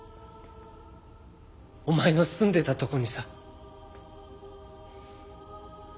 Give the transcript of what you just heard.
お前の住んでたとこにさ。